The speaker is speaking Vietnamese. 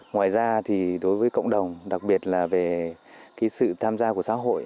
ngoài ra thì đối với cộng đồng đặc biệt là về sự tham gia của xã hội